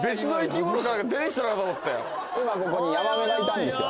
今ここにヤマメがいたんですよ